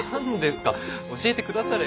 教えてくだされ。